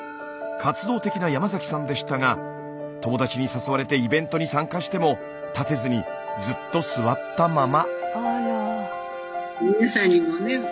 活動的な山さんでしたが友達に誘われてイベントに参加しても立てずにずっと座ったまま。